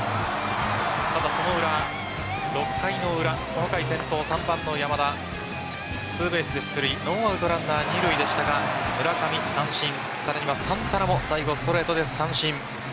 ただ、６回の裏この回先頭・３番の山田ツーベースで出塁ノーアウトランナー二塁でしたが村上三振、さらにはサンタナも最後、ストレートで三振。